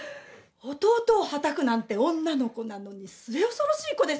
弟を叩くなんて女の子なのに末恐ろしい子ですよ